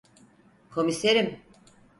Komiserim?